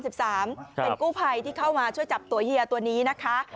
เป็นกู้ภัยที่เข้ามาช่วยจับตัวเฮียตัวนี้นะคะ